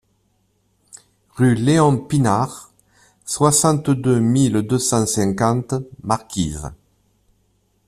Rue Léon Pinart, soixante-deux mille deux cent cinquante Marquise